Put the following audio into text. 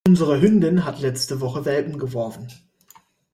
Unsere Hündin hat letzte Woche Welpen geworfen.